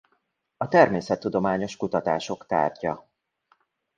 A természettudományos kutatások tárgya.